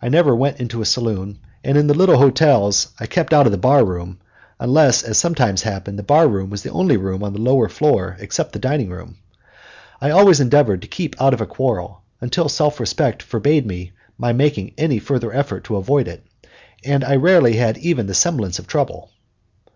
I never went into a saloon, and in the little hotels I kept out of the bar room unless, as sometimes happened, the bar room was the only room on the lower floor except the dining room. I always endeavored to keep out of a quarrel until self respect forbade my making any further effort to avoid it, and I very rarely had even the semblance of trouble.